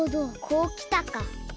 こうきたか。